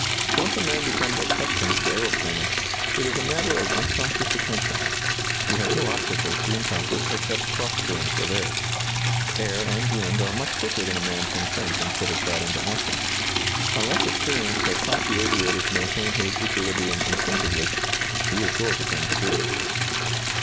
Once a man becomes accustomed to aeroplaning, it is a matter of unconscious attention.... He has no obstacles to encounter except cross currents of air. Air and wind are much quicker than a man can think and put his thought into action. Unless experience has taught the aviator to maintain his equilibrium instinctively, he is sure to come to grief."